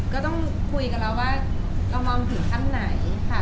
ก็ต้องคุยกับเราว่าเรามองถึงขั้นไหนค่ะ